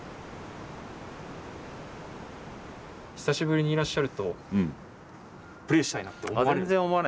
久しぶりにいらっしゃるとプレーしたいなとは。